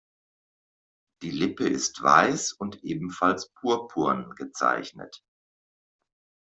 Die Lippe ist weiß und ebenfalls purpurn gezeichnet.